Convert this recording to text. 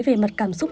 về mặt cảm xúc